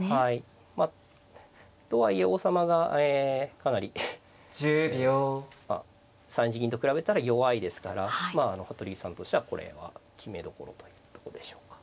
まあとはいえ王様がかなり３一銀と比べたら弱いですからまあ服部さんとしてはこれは決めどころというとこでしょうか。